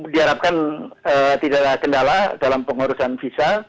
diharapkan tidak ada kendala dalam pengurusan visa